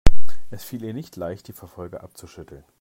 Es fiel ihr nicht leicht, die Verfolger abzuschütteln.